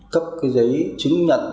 cấp cái giấy chứng nhận